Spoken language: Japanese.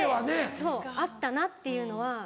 そうあったなっていうのは。